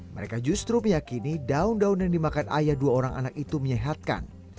mereka justru meyakini daun daun yang dimakan ayah dua orang anak itu menyehatkan